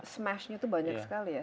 smashnya itu banyak sekali ya